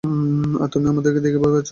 আর তুমি আমাদেরকে দেখে ভয় পাচ্ছো?